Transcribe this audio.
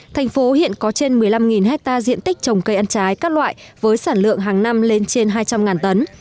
thành phố hiện có trên một mươi năm hectare diện tích trồng cây ăn trái các loại với sản lượng hàng năm lên trên hai trăm linh tấn